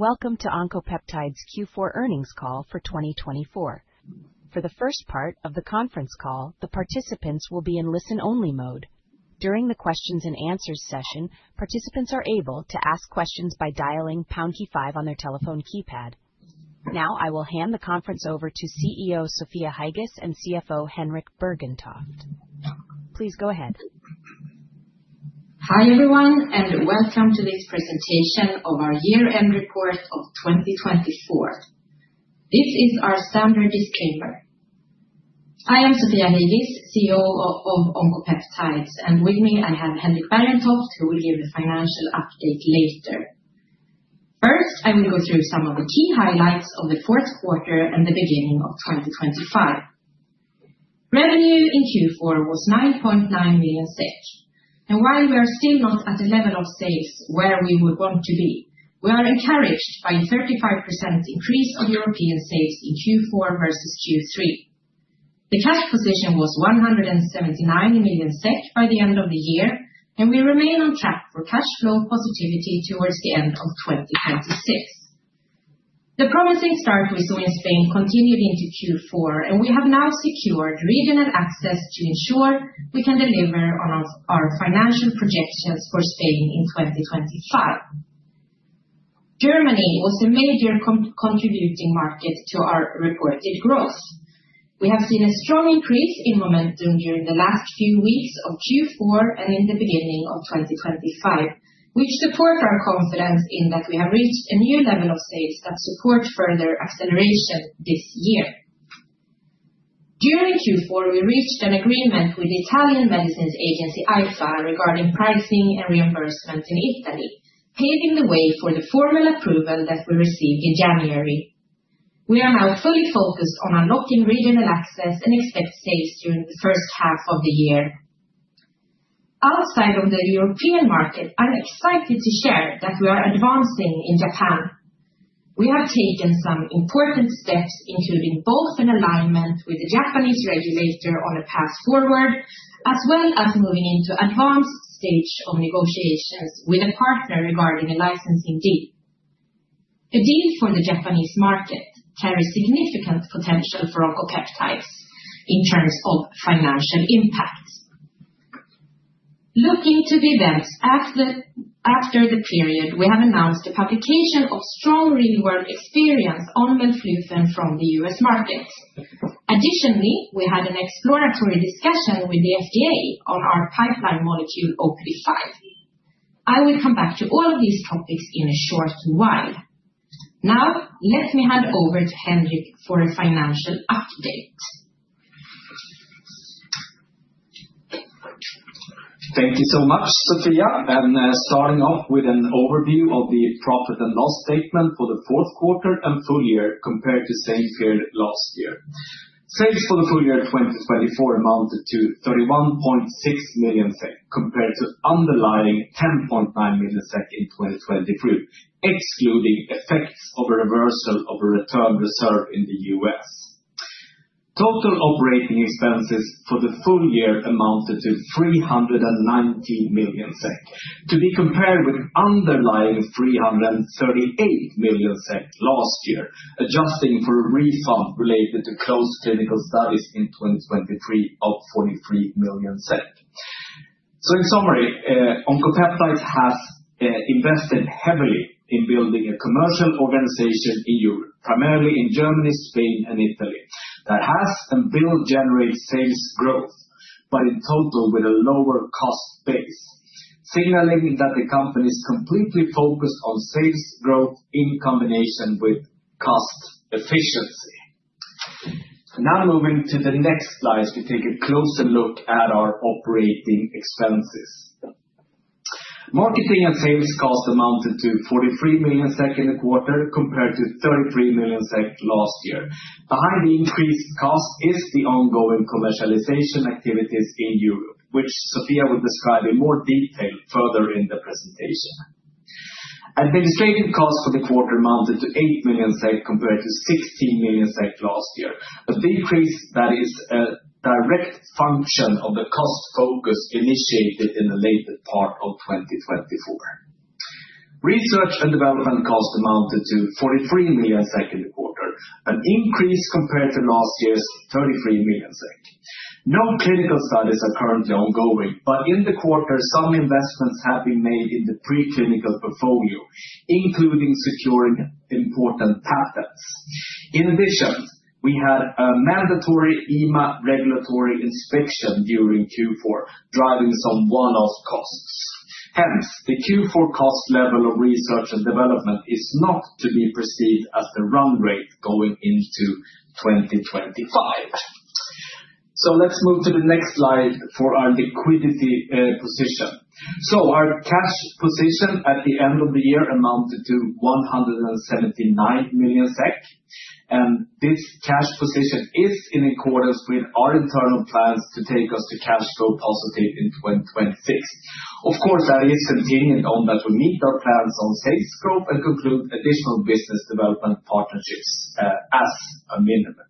Welcome to Oncopeptides Q4 earnings call for 2024. For the first part of the conference call, the participants will be in listen-only mode. During the Q&A session, participants are able to ask questions by dialing #5 on their telephone keypad. Now, I will hand the conference over to CEO Sofia Heigis and CFO Henrik Bergentoft. Please go ahead. Hi everyone, and welcome to this presentation of our year-end report of 2024. This is our standard disclaimer. I am Sofia Heigis, CEO of Oncopeptides, and with me I have Henrik Bergentoft, who will give the financial update later. First, I will go through some of the key highlights of the fourth quarter and the beginning of 2025. Revenue in Q4 was 9.9 million, and while we are still not at the level of saves where we would want to be, we are encouraged by a 35% increase of European saves in Q4 versus Q3. The cash position was 179 million SEK by the end of the year, and we remain on track for cash flow positivity towards the end of 2026. The promising start we saw in Spain continued into Q4, and we have now secured regional access to ensure we can deliver on our financial projections for Spain in 2025. Germany was a major contributing market to our reported growth. We have seen a strong increase in momentum during the last few weeks of Q4 and in the beginning of 2025, which supports our confidence in that we have reached a new level of saves that support further acceleration this year. During Q4, we reached an agreement with the Italian Medicines Agency AIFA regarding pricing and reimbursement in Italy, paving the way for the formal approval that we received in January. We are now fully focused on unlocking regional access and expect saves during the first half of the year. Outside of the European market, I'm excited to share that we are advancing in Japan. We have taken some important steps, including both an alignment with the Japanese regulator on a path forward, as well as moving into an advanced stage of negotiations with a partner regarding a licensing deal. A deal for the Japanese market carries significant potential for Oncopeptides in terms of financial impact. Looking to the events after the period, we have announced the publication of strong real-world experience on melflufen from the U.S. market. Additionally, we had an exploratory discussion with the FDA on our pipeline molecule OPD5. I will come back to all of these topics in a short while. Now, let me hand over to Henrik for a financial update. Thank you so much, Sofia. Starting off with an overview of the profit and loss statement for the fourth quarter and full year compared to the same period last year. Sales for the full year 2024 amounted to 31.6 million SEK, compared to underlying 10.9 million SEK in 2023, excluding effects of a reversal of a return reserve in the U.S. Total operating expenses for the full year amounted to 390 million SEK, to be compared with underlying 338 million SEK last year, adjusting for a refund related to closed clinical studies in 2023 of 43 million. In summary, Oncopeptides has invested heavily in building a commercial organization in Europe, primarily in Germany, Spain, and Italy, that has and will generate sales growth, but in total with a lower cost base, signaling that the company is completely focused on sales growth in combination with cost efficiency. Now, moving to the next slides, we take a closer look at our operating expenses. Marketing and sales costs amounted to 43 million SEK in the quarter, compared to 33 million SEK last year. Behind the increased cost is the ongoing commercialization activities in Europe, which Sofia will describe in more detail further in the presentation. Administrative costs for the quarter amounted to 8 million SEK, compared to 16 million SEK last year, a decrease that is a direct function of the cost focus initiated in the later part of 2024. Research and development costs amounted to 43 million SEK in the quarter, an increase compared to last year's 33 million SEK. No clinical studies are currently ongoing, but in the quarter, some investments have been made in the preclinical portfolio, including securing important patents. In addition, we had a mandatory EMA regulatory inspection during Q4, driving some one-off costs. Hence, the Q4 cost level of research and development is not to be perceived as the run rate going into 2025. Let's move to the next slide for our liquidity position. Our cash position at the end of the year amounted to 179 million SEK, and this cash position is in accordance with our internal plans to take us to cash flow positive in 2026. Of course, that is contingent on that we meet our plans on sales growth and conclude additional business development partnerships as a minimum.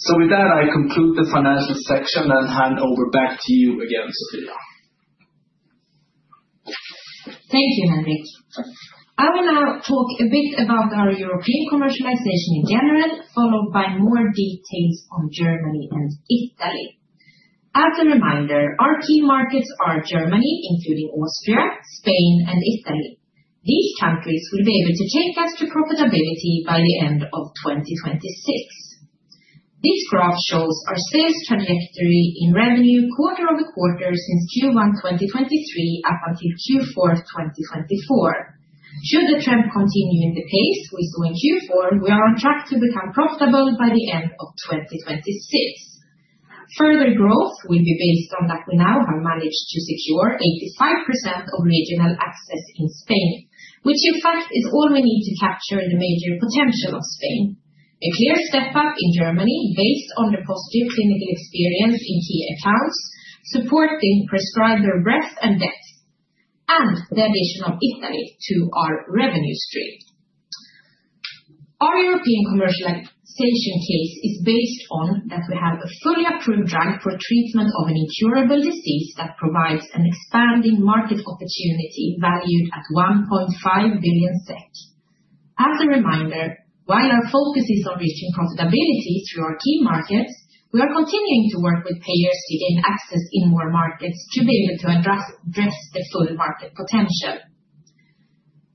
With that, I conclude the financial section and hand over back to you again, Sofia. Thank you, Henrik. I will now talk a bit about our European commercialization in general, followed by more details on Germany and Italy. As a reminder, our key markets are Germany, including Austria, Spain, and Italy. These countries will be able to take us to profitability by the end of 2026. This graph shows our sales trajectory in revenue quarter over quarter since Q1 2023 up until Q4 2024. Should the trend continue in the pace we saw in Q4, we are on track to become profitable by the end of 2026. Further growth will be based on that we now have managed to secure 85% of regional access in Spain, which in fact is all we need to capture the major potential of Spain. A clear step up in Germany based on the positive clinical experience in key accounts supporting prescriber breadth and depth, and the addition of Italy to our revenue stream. Our European commercialization case is based on that we have a fully approved drug for treatment of an incurable disease that provides an expanding market opportunity valued at 1.5 billion SEK. As a reminder, while our focus is on reaching profitability through our key markets, we are continuing to work with payers to gain access in more markets to be able to address the full market potential.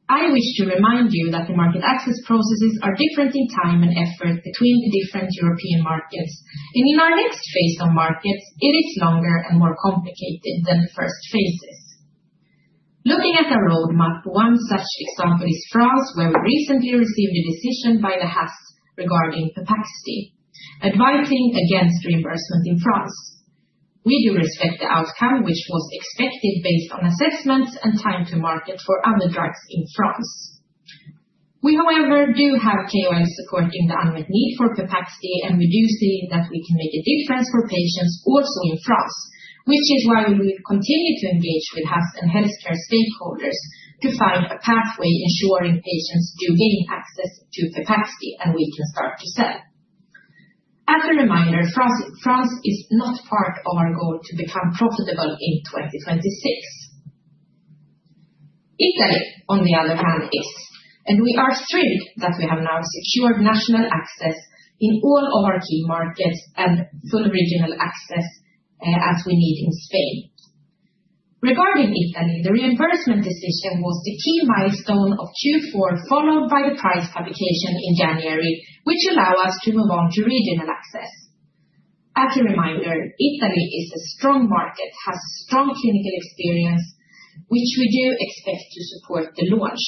I wish to remind you that the market access processes are different in time and effort between the different European markets, and in our next phase of markets, it is longer and more complicated than the first phases. Looking at our roadmap, one such example is France, where we recently received a decision by the HAS regarding Pepaxti, advising against reimbursement in France. We do respect the outcome, which was expected based on assessments and time to market for other drugs in France. We, however, do have KOL supporting the unmet need for Pepaxti and we do see that we can make a difference for patients also in France, which is why we will continue to engage with HAS and healthcare stakeholders to find a pathway ensuring patients do gain access to Pepaxti and we can start to sell. As a reminder, France is not part of our goal to become profitable in 2026. Italy, on the other hand, is, and we are thrilled that we have now secured national access in all of our key markets and full regional access as we need in Spain. Regarding Italy, the reimbursement decision was the key milestone of Q4, followed by the price publication in January, which allows us to move on to regional access. As a reminder, Italy is a strong market, has strong clinical experience, which we do expect to support the launch.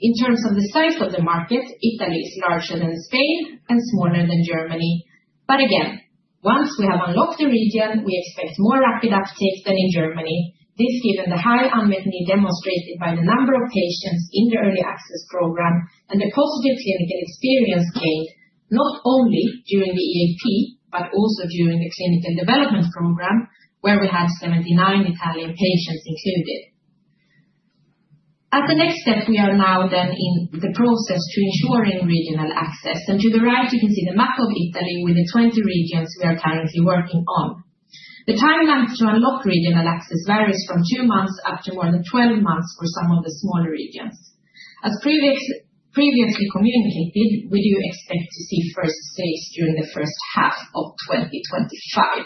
In terms of the size of the market, Italy is larger than Spain and smaller than Germany, but again, once we have unlocked the region, we expect more rapid uptake than in Germany, this given the high unmet need demonstrated by the number of patients in the Early Access Program and the positive clinical experience gained not only during the EAP, but also during the clinical development program where we had 79 Italian patients included. As the next step, we are now then in the process to ensuring regional access, and to the right, you can see the map of Italy with the 20 regions we are currently working on. The timeline to unlock regional access varies from two months up to more than 12 months for some of the smaller regions. As previously communicated, we do expect to see first saves during the first half of 2025.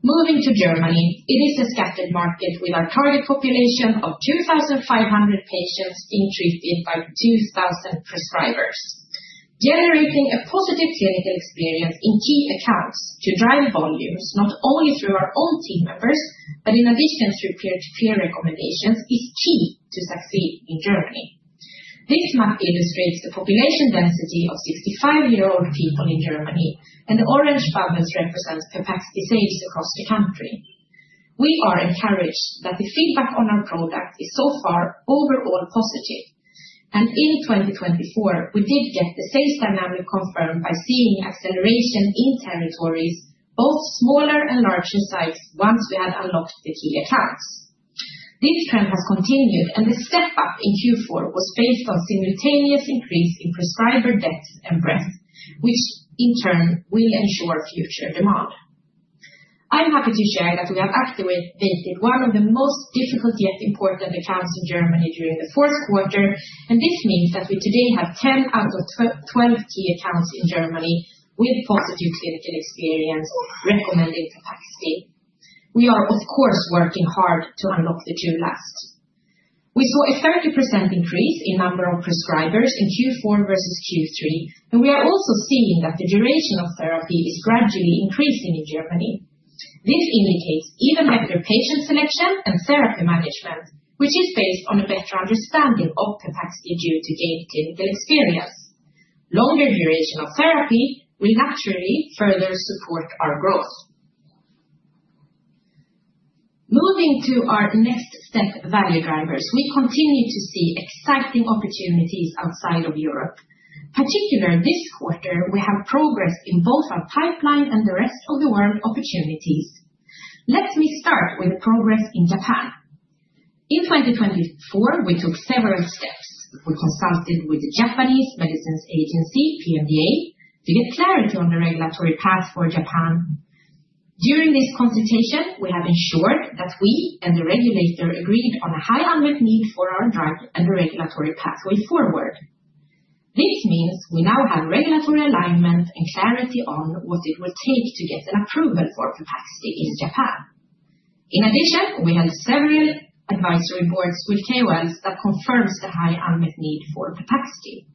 Moving to Germany, it is a scattered market with our target population of 2,500 patients being treated by 2,000 prescribers. Generating a positive clinical experience in key accounts to drive volumes, not only through our own team members, but in addition through peer-to-peer recommendations, is key to succeed in Germany. This map illustrates the population density of 65-year-old people in Germany, and the orange bubbles represent Pepaxti saves across the country. We are encouraged that the feedback on our product is so far overall positive, and in 2024, we did get the sales dynamic confirmed by seeing acceleration in territories, both smaller and larger size, once we had unlocked the key accounts. This trend has continued, and the step up in Q4 was based on simultaneous increase in prescriber depth and breadth, which in turn will ensure future demand. I'm happy to share that we have activated one of the most difficult yet important accounts in Germany during the fourth quarter, and this means that we today have 10 out of 12 key accounts in Germany with positive clinical experience recommending Pepaxti. We are, of course, working hard to unlock the two last. We saw a 30% increase in number of prescribers in Q4 versus Q3, and we are also seeing that the duration of therapy is gradually increasing in Germany. This indicates even better patient selection and therapy management, which is based on a better understanding of Pepaxti due to gained clinical experience. Longer duration of therapy will naturally further support our growth. Moving to our next step, value drivers, we continue to see exciting opportunities outside of Europe. Particularly this quarter, we have progress in both our pipeline and the rest of the world opportunities. Let me start with the progress in Japan. In 2024, we took several steps. We consulted with the Japanese Medicines Agency, PMDA, to get clarity on the regulatory path for Japan. During this consultation, we have ensured that we and the regulator agreed on a high unmet need for our drug and the regulatory pathway forward. This means we now have regulatory alignment and clarity on what it will take to get an approval for Pepaxti in Japan. In addition, we held several advisory boards with KOLs that confirmed the high unmet need for Pepaxti.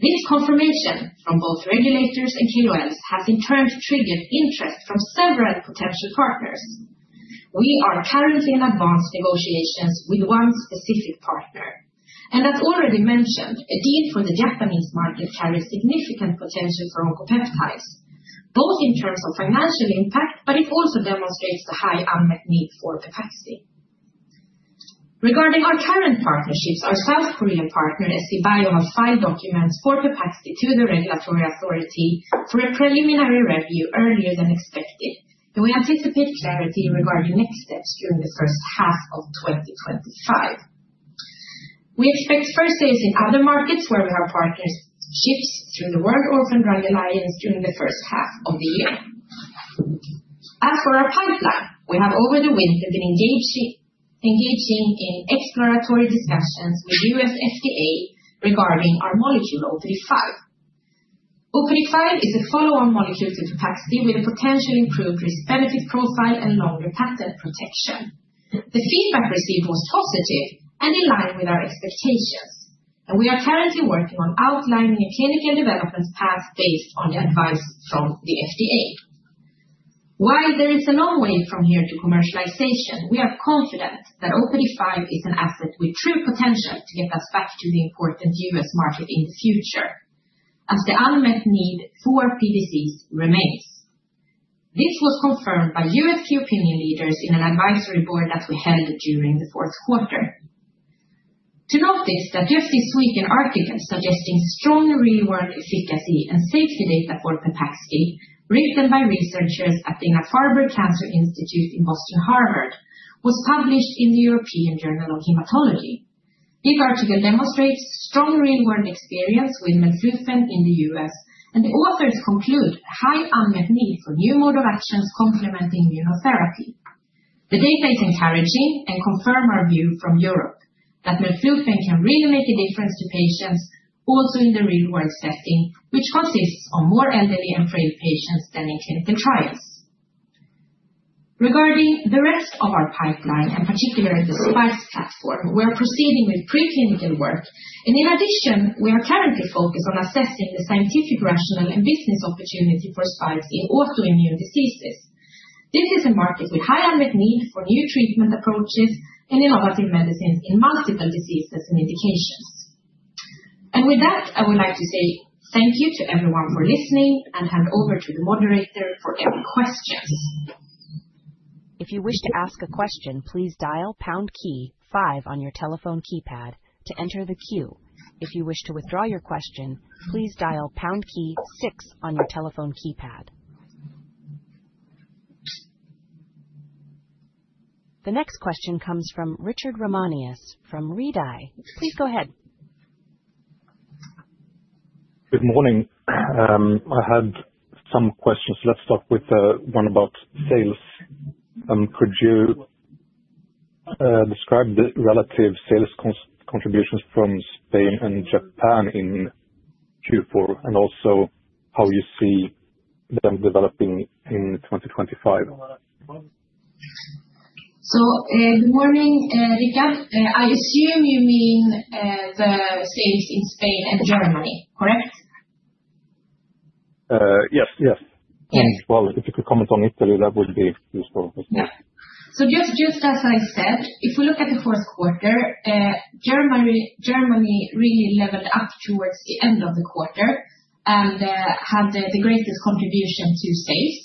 This confirmation from both regulators and KOLs has in turn triggered interest from several potential partners. We are currently in advanced negotiations with one specific partner, and as already mentioned, a deal for the Japanese market carries significant potential for Oncopeptides, both in terms of financial impact, but it also demonstrates the high unmet need for Pepaxti. Regarding our current partnerships, our South Korean partner SCBIO has filed documents for Pepaxti to the regulatory authority for a preliminary review earlier than expected, and we anticipate clarity regarding next steps during the first half of 2025. We expect first sales in other markets where we have partnerships through the World Orphan Drug Alliance during the first half of the year. As for our pipeline, we have over the winter been engaging in exploratory discussions with U.S. FDA regarding our molecule OPD5. OPD5 is a follow-on molecule to Pepaxti with a potentially improved risk-benefit profile and longer patent protection. The feedback received was positive and in line with our expectations, and we are currently working on outlining a clinical development path based on the advice from the FDA. While there is a long way from here to commercialization, we are confident that OPD5 is an asset with true potential to get us back to the important U.S. market in the future, as the unmet need for PDCs remains. This was confirmed by U.S. key opinion leaders in an advisory board that we held during the fourth quarter. To note this, that just this week in articles suggesting strong real-world efficacy and safety data for Pepaxti, written by researchers at the Dana-Farber Cancer Institute in Boston Harvard, was published in the European Journal of Hematology. This article demonstrates strong real-world experience with Melflufen in the United States, and the authors conclude a high unmet need for new mode of actions complementing immunotherapy. The data is encouraging and confirms our view from Europe that Melflufen can really make a difference to patients also in the real-world setting, which consists of more elderly and frail patients than in clinical trials. Regarding the rest of our pipeline, and particularly the SPiKE platform, we are proceeding with preclinical work, and in addition, we are currently focused on assessing the scientific rationale and business opportunity for SPiKE in autoimmune diseases. This is a market with high unmet need for new treatment approaches and innovative medicines in multiple diseases and indications. With that, I would like to say thank you to everyone for listening and hand over to the moderator for any questions. If you wish to ask a question, please dial pound key five on your telephone keypad to enter the queue. If you wish to withdraw your question, please dial pound key six on your telephone keypad. The next question comes from [Richard Romanias from REDI]. Please go ahead. Good morning. I had some questions. Let's start with one about sales. Could you describe the relative sales contributions from Spain and Japan in Q4, and also how you see them developing in 2025? Good morning, Richard. I assume you mean the sales in Spain and Germany, correct? Yes, yes. If you could comment on Italy, that would be useful. Just as I said, if we look at the fourth quarter, Germany really leveled up towards the end of the quarter and had the greatest contribution to sales.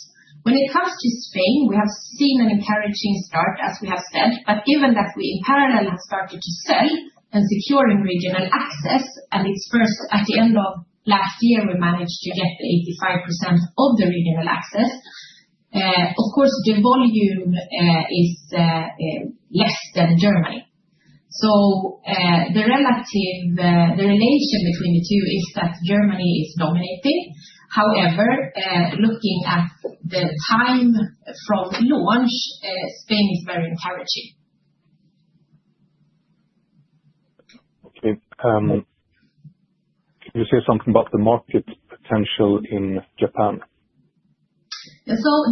When it comes to Spain, we have seen an encouraging start, as we have said, but given that we in parallel have started to sell and secure regional access, and it is first at the end of last year we managed to get 85% of the regional access, of course, the volume is less than Germany. The relation between the two is that Germany is dominating. However, looking at the time from launch, Spain is very encouraging. Okay. Can you say something about the market potential in Japan?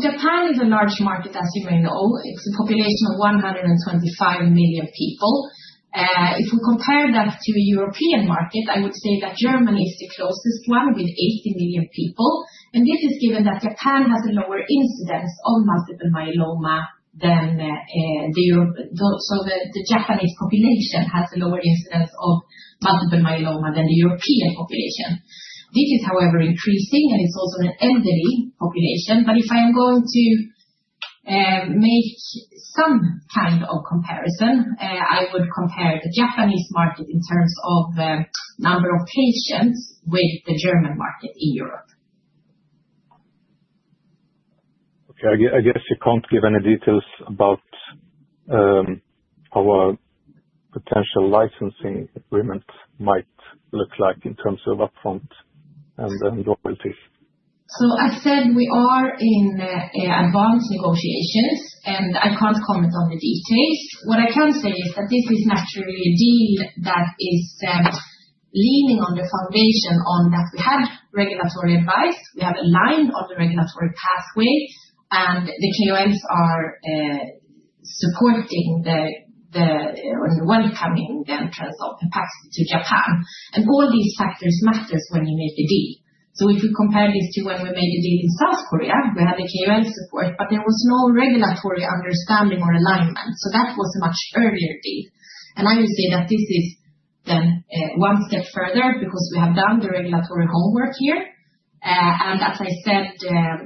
Japan is a large market, as you may know. It's a population of 125 million people. If we compare that to the European market, I would say that Germany is the closest one with 80 million people, and this is given that Japan has a lower incidence of multiple myeloma than the European population. The Japanese population has a lower incidence of multiple myeloma than the European population. This is, however, increasing, and it's also an elderly population. If I am going to make some kind of comparison, I would compare the Japanese market in terms of number of patients with the German market in Europe. Okay. I guess you can't give any details about how our potential licensing agreement might look like in terms of upfront and royalties. I've said we are in advanced negotiations, and I can't comment on the details. What I can say is that this is naturally a deal that is leaning on the foundation that we had regulatory advice, we have aligned on the regulatory pathway, and the KOLs are supporting the welcoming entrance of Pepaxti to Japan, and all these factors matter when you make a deal. If we compare this to when we made a deal in South Korea, we had the KOL support, but there was no regulatory understanding or alignment, so that was a much earlier deal. I would say that this is then one step further because we have done the regulatory homework here, and as I said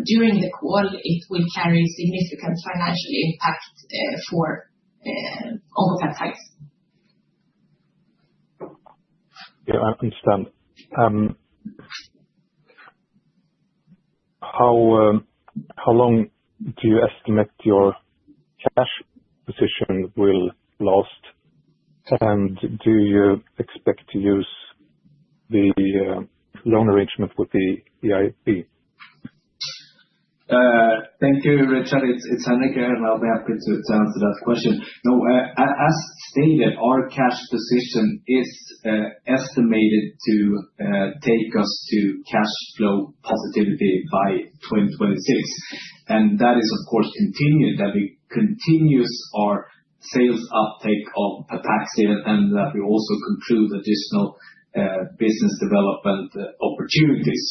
during the call, it will carry significant financial impact for Oncopeptides. Yeah, I understand. How long do you estimate your cash position will last, and do you expect to use the loan arrangement with the EIB? Thank you, Richard. It's Henrik, and I'll be happy to answer that question. No, as stated, our cash position is estimated to take us to cash flow positivity by 2026, and that is, of course, continued that we continue our sales uptake of Pepaxti and that we also conclude additional business development opportunities.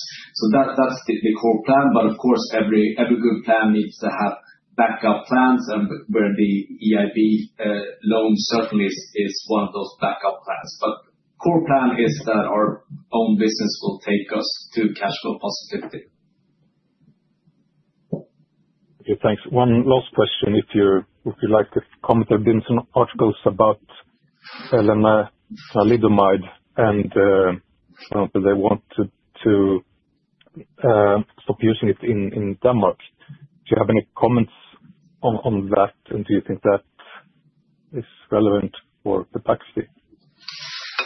That is the core plan, of course, every good plan needs to have backup plans, and where the EIB loan certainly is one of those backup plans, the core plan is that our own business will take us to cash flow positivity. Okay, thanks. One last question. If you'd like to comment, there have been some articles about lenalidomide, and they want to stop using it in Denmark. Do you have any comments on that, and do you think that is relevant for Pepaxti?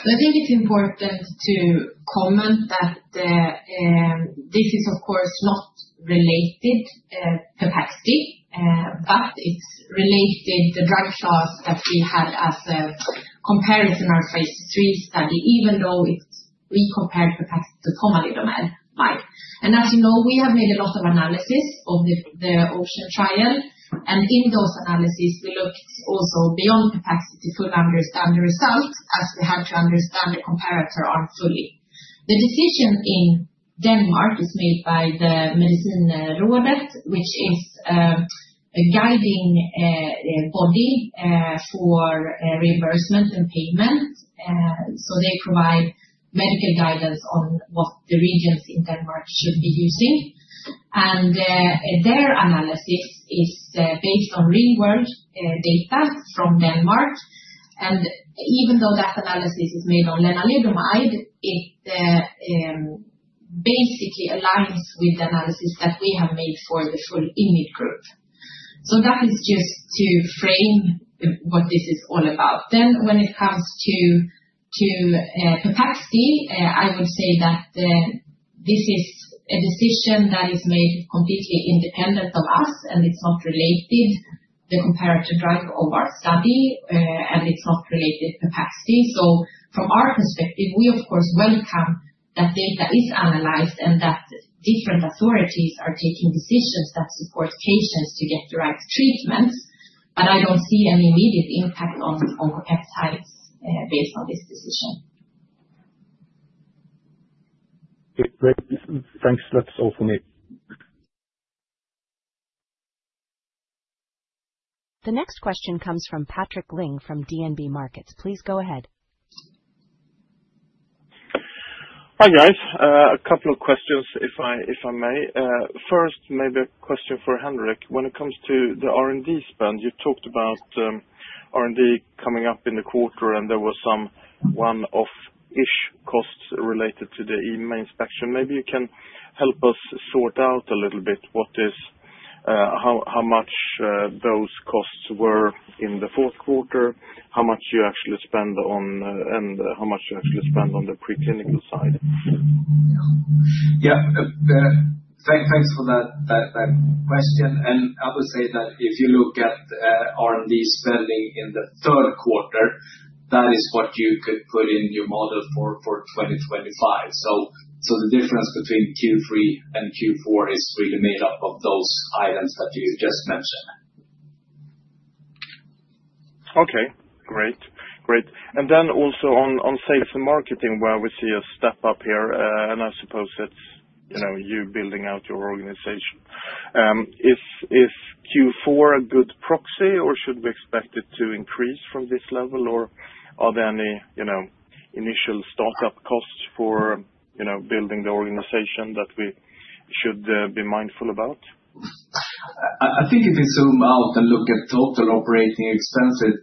I think it's important to comment that this is, of course, not related to Pepaxti, but it's related to the drug trials that we had as a comparison or phase III study, even though we compared Pepaxti to pomalidomide. As you know, we have made a lot of analysis of the OCEAN trial, and in those analyses, we looked also beyond Pepaxti to fully understand the results, as we had to understand the comparator arm fully. The decision in Denmark is made by the medicine [Roda], which is a guiding body for reimbursement and payment, so they provide medical guidance on what the regions in Denmark should be using, and their analysis is based on real-world data from Denmark, and even though that analysis is made on lenalidomide, it basically aligns with the analysis that we have made for the full immune group. That is just to frame what this is all about. When it comes to Pepaxti, I would say that this is a decision that is made completely independent of us, and it's not related to the comparator drug of our study, and it's not related to Pepaxti. From our perspective, we, of course, welcome that data is analyzed and that different authorities are taking decisions that support patients to get the right treatments, but I don't see any immediate impact on Oncopeptides based on this decision. Okay, great. Thanks. That's all from me. The next question comes from Patrik Ling from DNB Markets. Please go ahead. Hi guys. A couple of questions, if I may. First, maybe a question for Henrik. When it comes to the R&D spend, you talked about R&D coming up in the quarter, and there was some one-off-ish costs related to the EMA inspection. Maybe you can help us sort out a little bit how much those costs were in the fourth quarter, how much you actually spend on, and how much you actually spend on the preclinical side. Yeah, thanks for that question, and I would say that if you look at R&D spending in the third quarter, that is what you could put in your model for 2025. The difference between Q3 and Q4 is really made up of those items that you just mentioned. Okay, great. Great. Also on sales and marketing, where we see a step up here, I suppose it's you building out your organization. Is Q4 a good proxy, or should we expect it to increase from this level, or are there any initial startup costs for building the organization that we should be mindful about? I think if you zoom out and look at total operating expenses,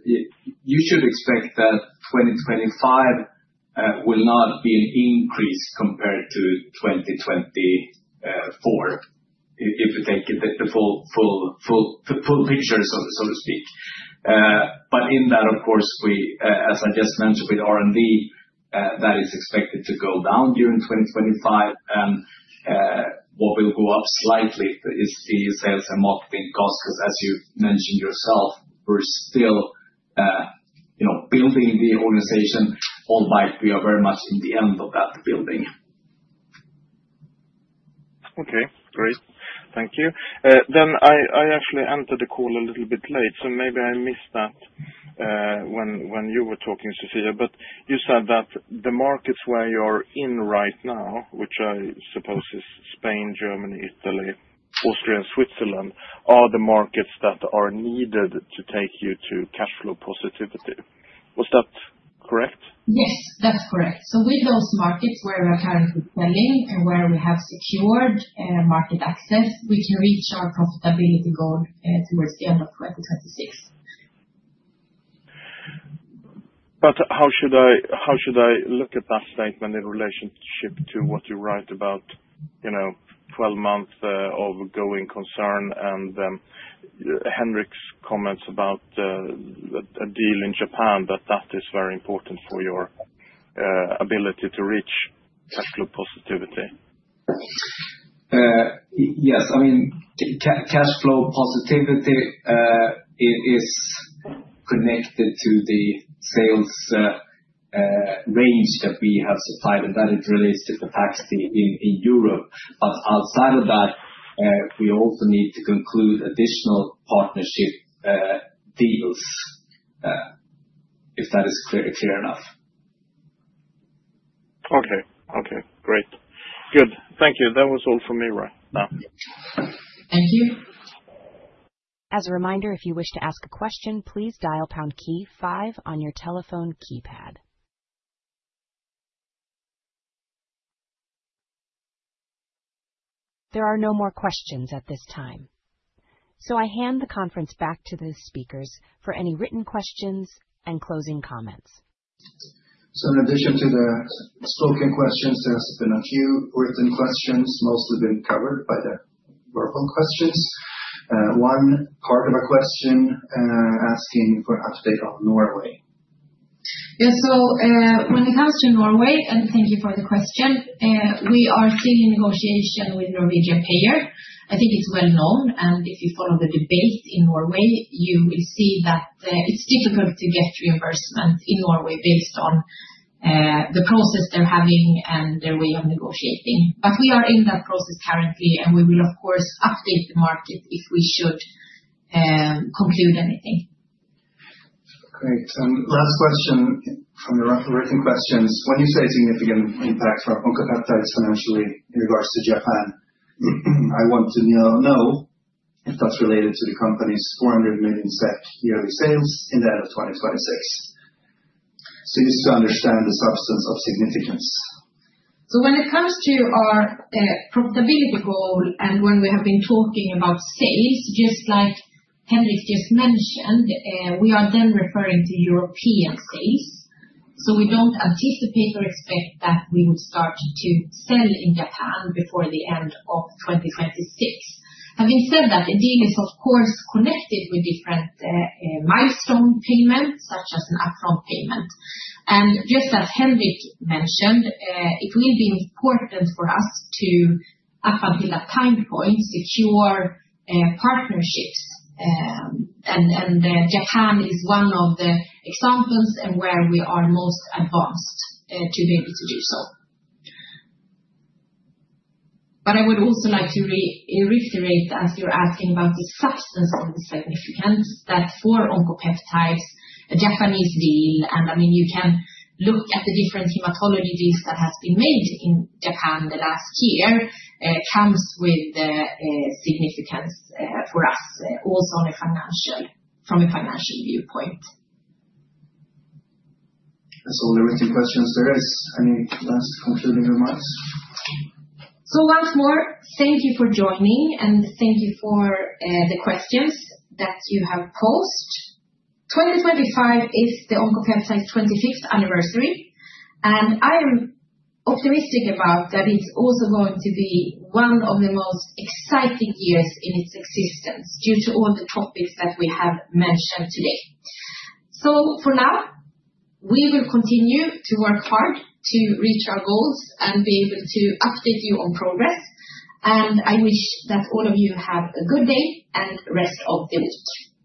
you should expect that 2025 will not be an increase compared to 2024, if you take the full picture, so to speak. In that, of course, as I just mentioned with R&D, that is expected to go down during 2025, and what will go up slightly is the sales and marketing costs, because as you mentioned yourself, we're still building the organization, albeit we are very much in the end of that building. Okay, great. Thank you. I actually entered the call a little bit late, so maybe I missed that when you were talking, Sofia, but you said that the markets where you're in right now, which I suppose is Spain, Germany, Italy, Austria, and Switzerland, are the markets that are needed to take you to cash flow positivity. Was that correct? Yes, that's correct. With those markets where we're currently selling and where we have secured market access, we can reach our profitability goal towards the end of 2026. How should I look at that statement in relationship to what you write about 12 months of ongoing concern and Henrik's comments about a deal in Japan, that that is very important for your ability to reach cash flow positivity? Yes, I mean, cash flow positivity is connected to the sales range that we have supplied, and that is related to Pepaxti in Europe, but outside of that, we also need to conclude additional partnership deals, if that is clear enough. Okay, okay. Great. Good. Thank you. That was all from me right now. Thank you. As a reminder, if you wish to ask a question, please dial pound key five on your telephone keypad. There are no more questions at this time, so I hand the conference back to the speakers for any written questions and closing comments. In addition to the spoken questions, there have been a few written questions, mostly been covered by the verbal questions. One part of a question asking for an update on Norway. Yeah, so when it comes to Norway, and thank you for the question, we are still in negotiation with the Norwegian payer. I think it's well known, and if you follow the debate in Norway, you will see that it's difficult to get reimbursement in Norway based on the process they're having and their way of negotiating. We are in that process currently, and we will, of course, update the market if we should conclude anything. Great. Last question from the written questions. When you say significant impact for Oncopeptides financially in regards to Japan, I want to know if that's related to the company's 400 million yearly sales in the end of 2026. Just to understand the substance of significance. When it comes to our profitability goal and when we have been talking about sales, just like Henrik just mentioned, we are then referring to European sales, so we do not anticipate or expect that we would start to sell in Japan before the end of 2026. Having said that, the deal is, of course, connected with different milestone payments, such as an upfront payment, and just as Henrik mentioned, it will be important for us to, up until that time point, secure partnerships, and Japan is one of the examples where we are most advanced to be able to do so. I would also like to reiterate, as you're asking about the substance of the significance, that for Oncopeptides, a Japanese deal, and I mean, you can look at the different hematology deals that have been made in Japan the last year, comes with significance for us, also from a financial viewpoint. That's all the written questions there are. Any last concluding remarks? Once more, thank you for joining, and thank you for the questions that you have post. 2025 is the Oncopeptides 26th anniversary, and I am optimistic about that it's also going to be one of the most exciting years in its existence due to all the topics that we have mentioned today. For now, we will continue to work hard to reach our goals and be able to update you on progress, and I wish that all of you have a good day and rest of the week.